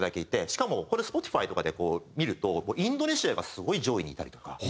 しかもこれＳｐｏｔｉｆｙとかで見るとインドネシアがすごい上位にいたりとか。